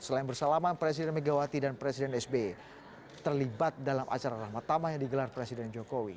selain bersalaman presiden megawati dan presiden sbe terlibat dalam acara rahmatama yang digelar presiden jokowi